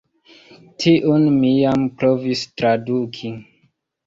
Tiun mi jam provis traduki.